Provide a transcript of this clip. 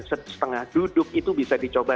setengah duduk itu bisa dicoba